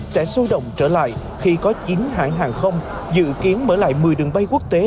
sẽ sôi động trở lại khi có chín hãng hàng không dự kiến mở lại một mươi đường bay quốc tế